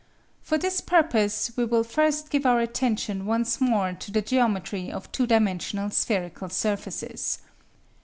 For this purpose we will first give our attention once more to the geometry of two dimensional spherical surfaces.